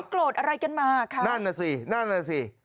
โกรธอะไรกันมาค่ะนั่นน่ะสินั่นน่ะสิ